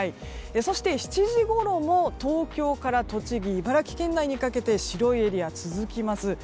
そして、７時ごろも東京から栃木茨城県内にかけて白いエリアが続きます。